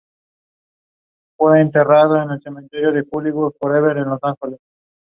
Many of his stories take place in the theatre.